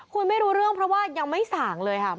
คุยไม่รู้เรื่องเพราะว่ายังไม่ส่างเลยค่ะ